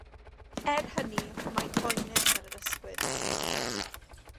Er hynny, mae'n boenus ar yr ysgwydd.